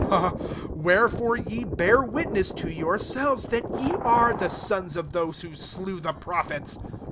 31 Wherefore ye bear witness to yourselves, that ye are the sons t)f those who slew the prophets.